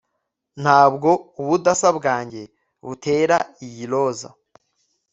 nubwo ubudasa bwanjye butera iyi roza